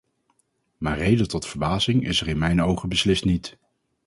Maar reden tot verbazing is er in mijn ogen beslist niet.